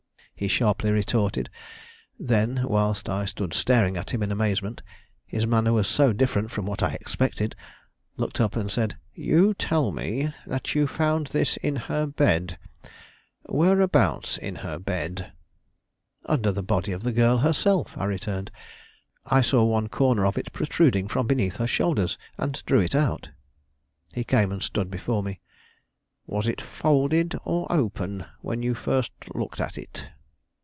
he sharply retorted; then, whilst I stood staring at him in amazement, his manner was so different from what I expected, looked up and said: "You tell me that you found this in her bed. Whereabouts in her bed?" "Under the body of the girl herself," I returned. "I saw one corner of it protruding from beneath her shoulders, and drew it out." He came and stood before me. "Was it folded or open, when you first looked at it?"